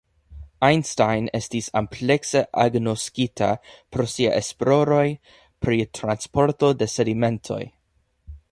Einstein estis amplekse agnoskita pro sia esploroj pri transporto de sedimentoj.